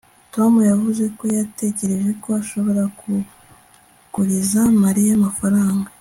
tom yavuze ko yatekereje ko ashobora kuguriza mariya amafaranga